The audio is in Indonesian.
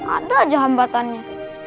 ada aja hambatannya